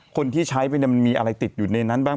คนที่ใช้ไปมันมีอะไรติดอยู่ในนั้นบ้าง